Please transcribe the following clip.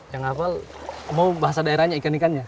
yang hafal mau bahasa daerahnya ikan ikannya